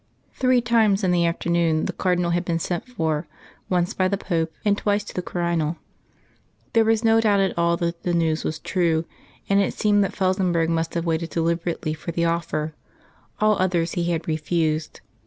Three times in the afternoon the Cardinal had been sent for, once by the Pope and twice to the Quirinal. There was no doubt at all that the news was true; and it seemed that Felsenburgh must have waited deliberately for the offer. All others he had refused.